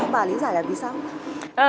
bà lý giải là vì sao